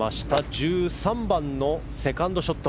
１３番のセカンドショット。